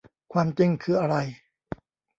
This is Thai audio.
ความจริงคืออะไร